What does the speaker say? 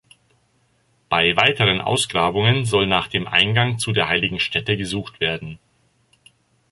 Bei weiteren Ausgrabungen soll nach dem Eingang zu der heiligen Stätte gesucht werden.